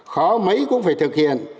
khó mấy cũng phải thực hiện